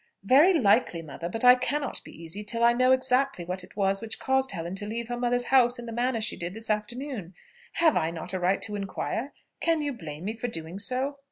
"Very likely, mother. But I cannot be easy till I know exactly what it was which caused Helen to leave her mother's house in the manner she did this afternoon. Have I not a right to inquire? can you blame me for doing so?"